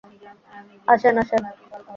আসেন, আসেন।